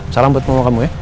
salam buat mama kamu ya